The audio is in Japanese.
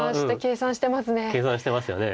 計算してますよね。